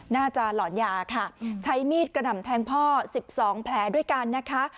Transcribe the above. หลอนยาค่ะใช้มีดกระหน่ำแทงพ่อ๑๒แผลด้วยกันนะคะ